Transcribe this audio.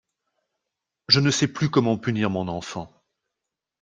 Je ne sais plus comment punir mon enfant.